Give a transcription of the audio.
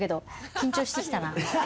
緊張してきたな。